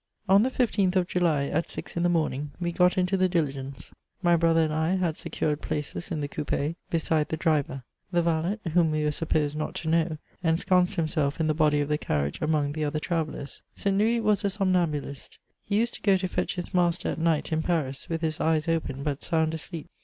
On the 1 5th of July, at rix in the morning, we got into the diligence ; my brother and I had secured places in the coupe^ beside the driver ; the valet, whom we were supposed not to know, ensconced himself in the body of the carriage amcmg the other travellers. St. Louis was a somnambulist ; he used to go to fetch his master at night in Paris, with his eyes open, but sound asleep.